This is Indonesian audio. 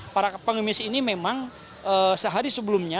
para pengemis ini memang sehari sebelumnya